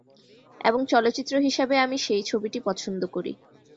এবং চলচ্চিত্র হিসাবে আমি সেই ছবিটি পছন্দ করি।